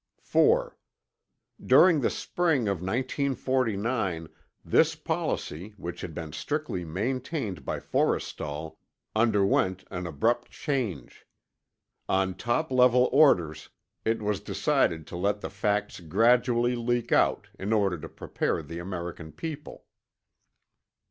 4. During the spring of 1949 this policy, which had been strictly maintained by Forrestal, underwent an abrupt change. On top level orders, it was decided to let the facts gradually leak out, in order to prepare the American people.